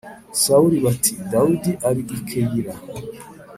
Sawuli bati Dawidi ari i Keyila